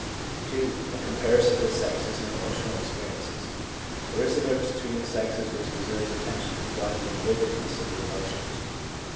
2. A Comparison of the Sexes in Emotional Experi ences. — There is a difference between the sexes which deserves attention in regard to the vividness of the emotions.